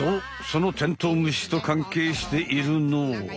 そのテントウムシと関係しているのは。